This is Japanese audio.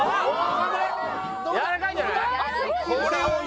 やわらかいんじゃない？